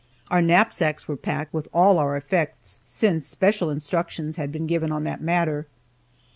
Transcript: Our knapsacks were packed with all our effects, since special instructions had been given on that matter.